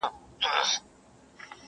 پیرمحمد په ملغلرو بار کاروان دی,